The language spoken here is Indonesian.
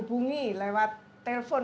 sebenarnya gio vesera lagi suri bohong